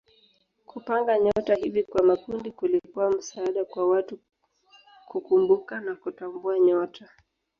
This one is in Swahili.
Kupanga nyota hivi kwa makundi kulikuwa msaada kwa watu kukumbuka na kutambua nyota.